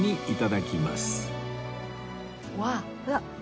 いただきます。